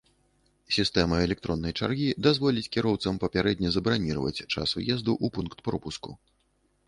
Сістэма электроннай чаргі дазволіць кіроўцам папярэдне забраніраваць час уезду ў пункт пропуску.